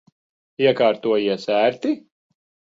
Iekārtojies ērti?